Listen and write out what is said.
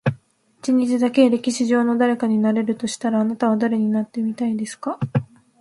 一日だけ、歴史上の誰かになれるとしたら、あなたは誰になってみたいですか？